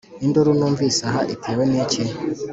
induru numvise aha itewe n' iki?"